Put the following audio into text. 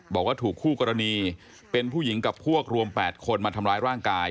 บอกว่าถูกคู่กรณีเป็นผู้หญิงกับพวกรวม๘คนมาทำร้ายร่างกาย